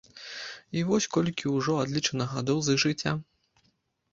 І вось колькі ўжо адлічана гадоў з іх жыцця.